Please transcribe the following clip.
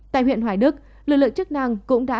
tại huyện hoài đức lực lượng chức năng cũng đã